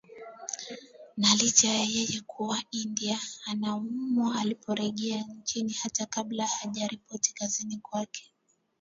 na licha ya yeye kuwa India anaumwa aliporejea nchini hata kabla hajaripoti kazini kwake